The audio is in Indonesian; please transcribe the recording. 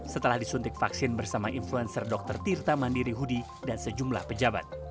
setelah disuntik vaksin bersama influencer dr tirta mandiri hudi dan sejumlah pejabat